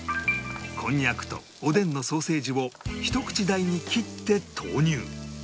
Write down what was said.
こんにゃくとおでんのソーセージをひと口大に切って投入